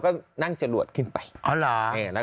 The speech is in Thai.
ดำเนินคดีต่อไปนั่นเองครับ